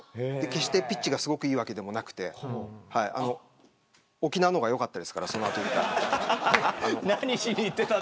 決してピッチがすごくいいわけでもなくて沖縄の方が良かったですからその後行った。